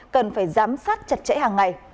cần phải giám sát chặt chẽ hàng ngày